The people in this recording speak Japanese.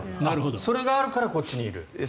それがあるからこっちにいる。